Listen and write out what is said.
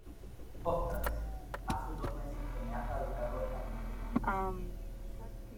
Ostras, hace dos meses que me ha caducado el carnet de conducir.